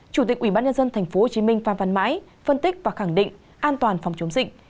chủ tịch ủy ban nhân dân tp hcm phan văn mãi phân tích và khẳng định an toàn phòng chống dịch